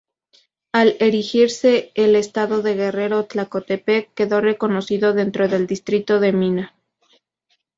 Al erigirse el estado de Guerrero, Tlacotepec quedó reconocido dentro del distrito de Mina.